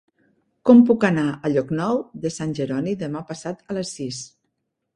Com puc anar a Llocnou de Sant Jeroni demà passat a les sis?